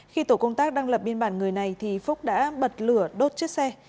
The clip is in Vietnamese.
khi tổ công tác đang lập biên bản người này thì phúc đã bật lửa đốt chiếc xe